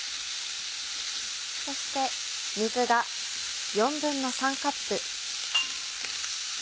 そして水が３／４カップ。